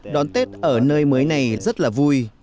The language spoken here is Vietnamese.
đón tết ở nơi mới này rất là vui